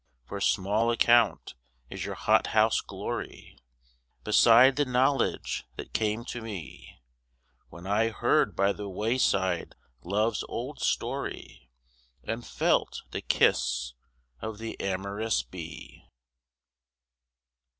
"For small account is your hot house glory Beside the knowledge that came to me When I heard by the wayside love's old story And felt the kiss of the amorous bee."